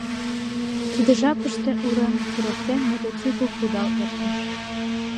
Тиде жапыште, уремым сургыктен, мотоцикл кудал эртыш.